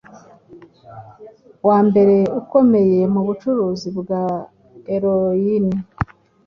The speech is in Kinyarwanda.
wambere ukomeye mu bucuruzi bwa heroin,